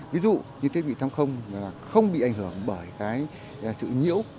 ví dụ như thiết bị thám không không bị ảnh hưởng bởi sự nhiễu